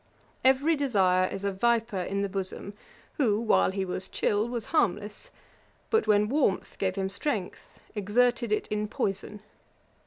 Every desire is a viper in the bosom, who, while he was chill, was harmless; but when warmth gave him strength, exerted it in poison.